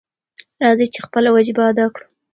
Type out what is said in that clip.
راځئ چې خپله وجیبه ادا کړو.